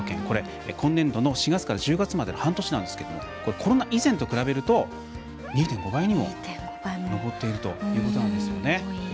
これ、今年度の４月から１０月まで半年なんですがコロナ以前と比べると２．５倍にも上っているということなんですよね。